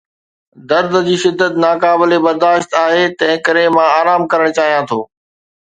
درد جي شدت ناقابل برداشت آهي، تنهنڪري مان آرام ڪرڻ چاهيان ٿو